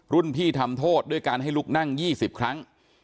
รุ่นพี่ทำโทษด้วยการให้ลุกนั่ง๒๐ครั้ง